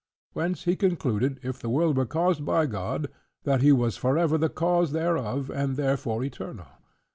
Whence he concludeth, if the world were caused by God, that he was forever the cause thereof: and therefore eternal.